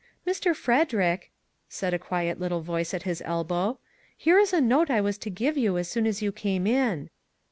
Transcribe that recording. " Mr. Frederick," said a quiet little voice at his elbow. " Here is a note I was to give you as soon as you came in."